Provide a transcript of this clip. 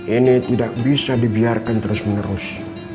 ini tidak bisa dibiarkan terus menerus